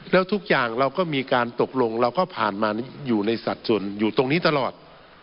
แล้วทุกอย่างเราก็มีการตกลงเราก็ผ่านมาอยู่ในสัดส่วนอยู่ตรงนี้ตลอด